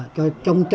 cho chồng nhà